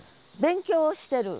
勉強をしてる。